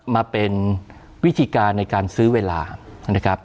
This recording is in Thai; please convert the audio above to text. มาเป็นวิธีการในการซื้อเวลานะครับ